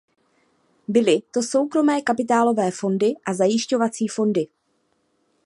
Byly to soukromé kapitálové fondy a zajišťovací fondy.